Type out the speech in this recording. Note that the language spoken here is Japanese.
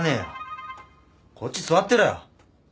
こっち座ってろよ。